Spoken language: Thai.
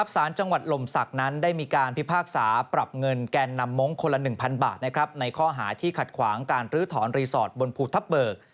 สารจังหวัดลมศักดิ์นั้นได้มีการพิพากษาปรับเงินแกนนำมงค์คนละ๑๐๐บาทในข้อหาที่ขัดขวางการลื้อถอนรีสอร์ทบนภูทับเบิก